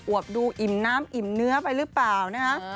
วบดูอิ่มน้ำอิ่มเนื้อไปหรือเปล่านะฮะ